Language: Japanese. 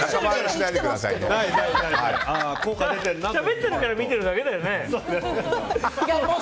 しゃべってるから見てるだけだよね。